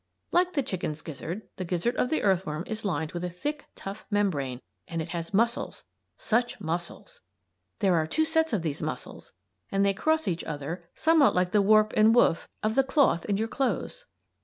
Like the chicken's gizzard the gizzard of the earthworm is lined with a thick, tough membrane, and it has muscles such muscles! There are two sets of these muscles and they cross each other somewhat like the warp and woof of the cloth in your clothes.